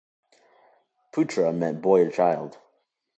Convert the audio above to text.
"Putra" meant boy or child.